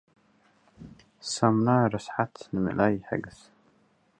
ሳሙና፡ ረስሓት ንምእላይ ይሕግዝ።